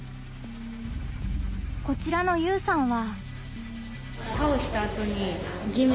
こちらのゆうさんは。